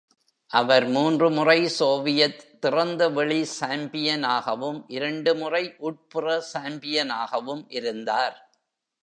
அவர் மூன்று முறை சோவியத் திறந்த வெளிசாம்பியனாகவும், இரண்டு முறை உட்புற சாம்பியனாகவும் இருந்தார்.